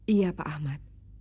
iya pak ahmad